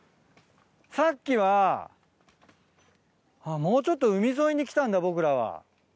あっもうちょっと海沿いに来たんだ僕らは。